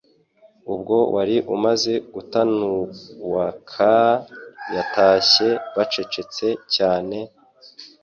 ubwo wari umaze gutannuwka, batashye bacecetse cyane,